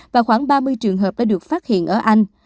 và khoảng ba mươi trường hợp đã được phát hiện ở anh